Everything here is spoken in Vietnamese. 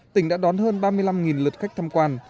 tỉnh đã đón hơn ba mươi năm lượt khách tham quan